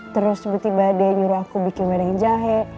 terus tiba tiba dia nyuruh aku bikin badan jahe